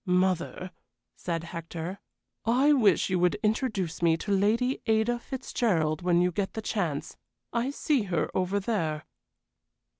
"Mother," said Hector, "I wish you would introduce me to Lady Ada Fitzgerald when you get the chance. I see her over there."